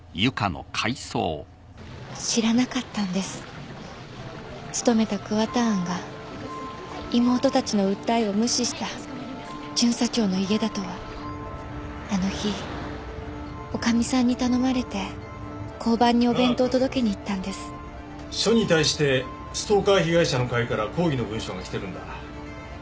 知らなかったんです勤めた桑田庵が妹たちの訴えを無視した巡査長の家だとはあの日女将さんに頼まれて交番にお弁当を届けに行ったんです署に対してストーカー被害者の会から抗議の文書が来てるんだ